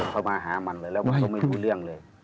เขามาหามันเลยแล้วว่าต้องไม่ดูเรื่องเลย